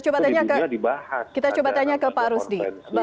baik kita coba tanya ke pak rusdi